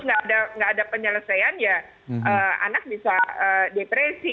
nggak ada penyelesaian ya anak bisa depresi